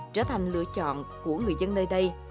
trở thành lựa chọn của người dân nơi đây